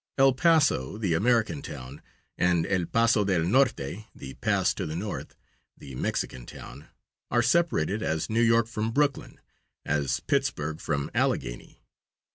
El Paso, the American town, and El Paso del Norte (the pass to the north), the Mexican town, are separated, as New York from Brooklyn, as Pittsburgh from Allegheny.